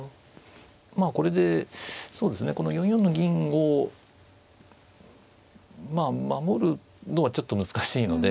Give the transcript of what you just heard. まあこれでそうですねこの４四の銀をまあ守るのはちょっと難しいので。